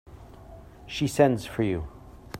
She sends for you.